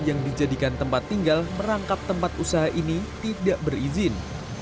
yang dijadikan tempat tinggal merangkap tempat usaha ini tidak berizin